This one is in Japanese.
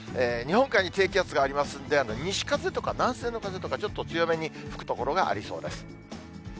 日本海に低気圧がありますんで、西風とか南西の風とか、ちょっと強めに吹く所がありそうです。